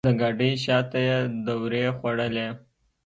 د ګاډۍ شاته یې دورې خوړلې.